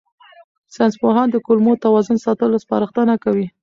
ساینسپوهان د کولمو توازن ساتلو سپارښتنه کوي.